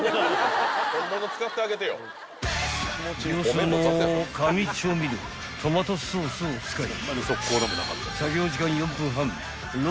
［業スーの神調味料トマトソースを使い］